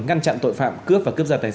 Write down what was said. ngăn chặn tội phạm cướp và cướp giật tài sản